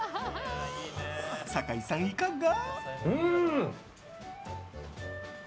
酒井さん、いかが？